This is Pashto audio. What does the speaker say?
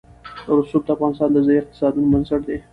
رسوب د افغانستان د ځایي اقتصادونو بنسټ دی.